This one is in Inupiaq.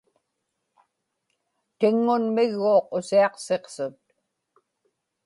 tiŋŋunmi-gguuq usiaqsiqsut